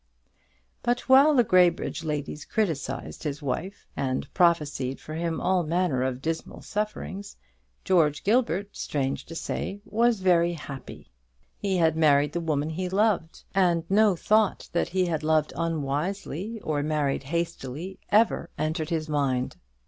But while the Graybridge ladies criticised his wife and prophesied for him all manner of dismal sufferings, George Gilbert, strange to say, was very happy. He had married the woman he loved, and no thought that he had loved unwisely or married hastily ever entered his mind.